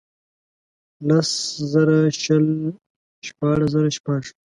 لس زره شل ، شپاړس زره شپږ.